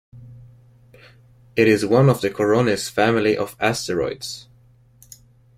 It is one of the Koronis family of asteroids.